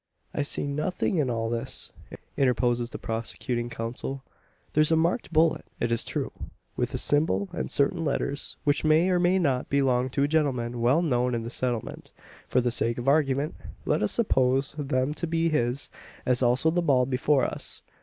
"I see nothing in all this," interposes the prosecuting counsel. "There's a marked bullet, it is true with a symbol and certain letters, which may, or may not, belong to a gentleman well known in the Settlement. For the sake of argument, let us suppose them to be his as also the ball before us.